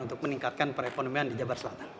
untuk meningkatkan perekonomian di jabar selatan